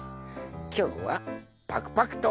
きょうはパクパクと。